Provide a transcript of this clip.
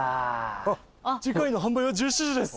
あっ「次回の販売は１７時です」